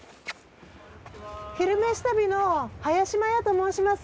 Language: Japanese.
「昼めし旅」の林マヤと申します。